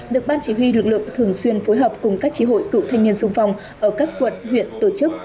được ban chỉ huy lực lượng thường xuyên phối hợp cùng các trí hội cựu thanh niên sung phong ở các quận huyện tổ chức